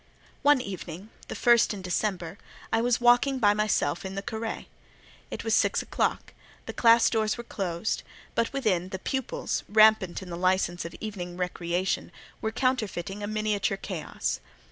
One evening, the first in December, I was walking by myself in the carré; it was six o'clock; the classe doors were closed; but within, the pupils, rampant in the licence of evening recreation, were counterfeiting a miniature chaos.